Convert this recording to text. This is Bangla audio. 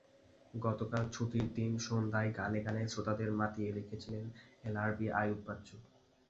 গতকাল ছুটির দিন সন্ধ্যায় গানে গানে শ্রোতাদের মাতিয়ে রেখেছিলেন এলআরবির আইয়ুব বাচ্চু।